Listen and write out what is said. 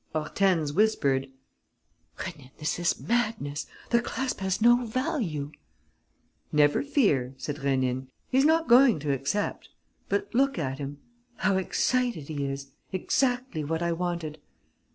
Hortense whispered: "Rénine, this is madness; the clasp has no value...." "Never fear," said Rénine, "he's not going to accept.... But look at him.... How excited he is! Exactly what I wanted....